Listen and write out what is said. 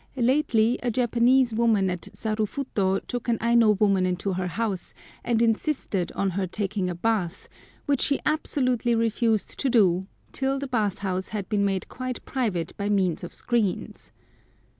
Lately a Japanese woman at Sarufuto took an Aino woman into her house, and insisted on her taking a bath, which she absolutely refused to do till the bath house had been made quite private by means of screens.